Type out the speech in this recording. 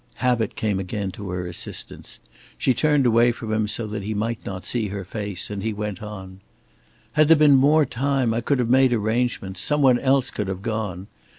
Habit came again to her assistance. She turned away from him so that he might not see her face, and he went on: "Had there been more time, I could have made arrangements. Some one else could have gone.